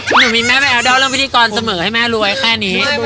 หนูมีแม่ไปแอลดอลเรื่องพิธีกรเสมอให้แม่รวยแค่นี้